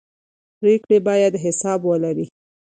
پرېکړې باید حساب ولري